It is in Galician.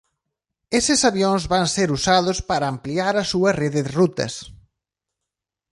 Estes avións van ser usados para ampliar a súa rede de rutas.